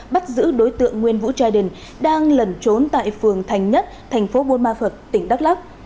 bắt giữ đối tượng nguyên vũ tray đình đang lẩn trốn tại phường thành nhất tp bôn ma phật tỉnh đắk lắc